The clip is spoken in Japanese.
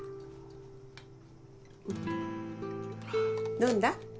飲んだ？